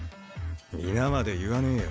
皆まで言わねえよ。